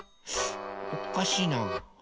おかしいな。